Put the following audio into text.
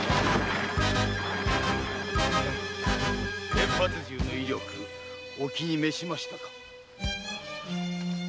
連発銃の威力お気に召しましたか？